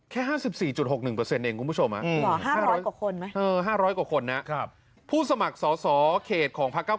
แต่เขาไม่ได้ใช้สิทธิ์คือคนเดียวเขามันเกินที่เวลาทั้งพันคนอ่ะ